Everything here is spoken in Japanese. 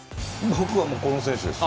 僕はこの選手です。